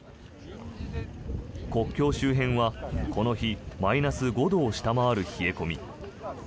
国境周辺はこの日マイナス５度を下回る冷え込み。